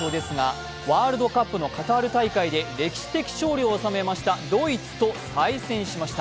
サッカーの日本代表ですが、ワールドカップのカタール大会で歴史的勝利を収めましたドイツと対戦しました。